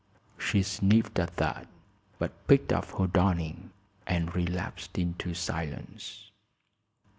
She sniffed, at that, but picked up her darning and relapsed into silence.